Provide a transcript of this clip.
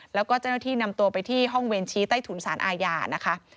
แล้วก็จัดโน้ที่นำตัวไปที่ห้องเวญชีใต้ธุรกิจสารอาญานะคะ